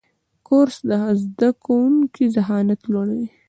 کورس د زده کوونکو ذهانت لوړوي.